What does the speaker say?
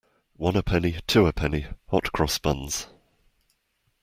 One a penny, two a penny, hot cross buns